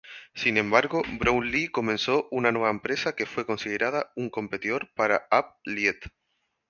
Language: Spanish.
Sin embargo, Brownlee comenzó una nueva empresa, que fue considerada un competidor para Applied.